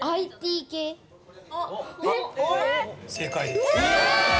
正解です。